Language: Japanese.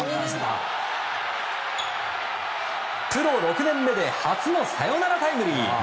プロ６年目で初のサヨナラタイムリー。